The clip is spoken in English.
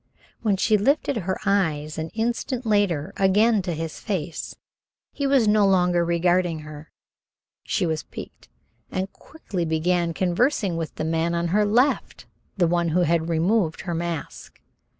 When she lifted her eyes an instant later again to his face, he was no longer regarding her. She was piqued, and quickly began conversing with the man on her left, the one who had removed her mask.